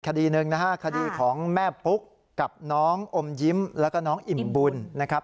คดีหนึ่งนะฮะคดีของแม่ปุ๊กกับน้องอมยิ้มแล้วก็น้องอิ่มบุญนะครับ